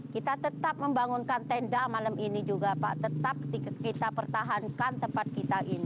kita tetap membangunkan tenda malam ini juga pak tetap kita pertahankan tempat kita ini